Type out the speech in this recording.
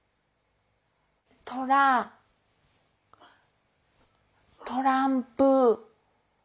トラトランプ。